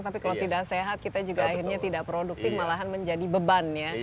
tapi kalau tidak sehat kita juga akhirnya tidak produktif malahan menjadi beban ya